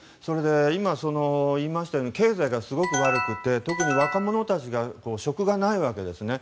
今、言いましたように経済がすごく悪くて特に若者たちが職がないわけですね。